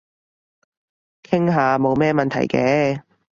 傾下冇咩問題嘅